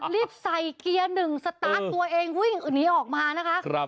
รีบใส่เกียร์หนึ่งสตาร์ทตัวเองวิ่งหนีออกมานะคะ